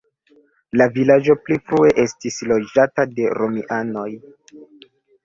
La vilaĝo pli frue estis loĝata de romianoj.